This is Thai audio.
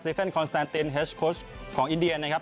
เฟนคอนสแตนตินเฮสโค้ชของอินเดียนะครับ